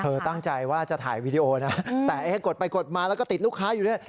ตั้งใจว่าจะถ่ายวีดีโอนะแต่กดไปกดมาแล้วก็ติดลูกค้าอยู่ด้วย